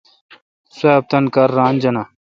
سواب تان کار ران جانہ۔